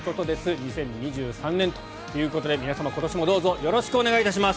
２０２３年ということで皆様、今年もどうぞよろしくお願いします。